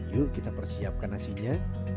yuk kita persiapkan nasinya